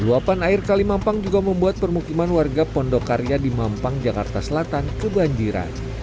luapan air kali mampang juga membuat permukiman warga pondokarya di mampang jakarta selatan kebanjiran